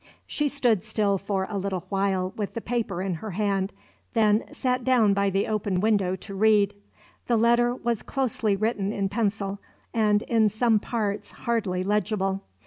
She stood still for a little while with the paper in her hand; then sat down by the open window to read. The letter was closely written in pencil, and in some parts hardly legible.